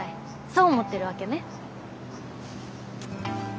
そう思ってるわけね？